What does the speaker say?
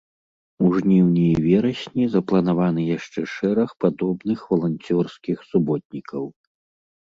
У жніўні і верасні запланаваны яшчэ шэраг падобных валанцёрскіх суботнікаў.